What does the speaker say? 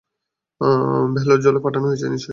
Valour জেলে পাঠানো হয়েছে নিশ্চয়ই।